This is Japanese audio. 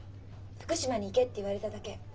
「福島に行け」って言われただけ。